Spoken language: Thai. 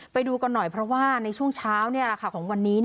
ไปดูกันหน่อยเพราะว่าในช่วงเช้าของวันนี้